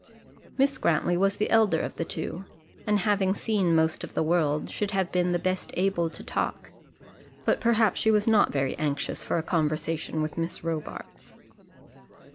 Miss Grantly was the elder of the two, and having seen most of the world, should have been the best able to talk, but perhaps she was not very anxious for a conversation with Miss Robarts.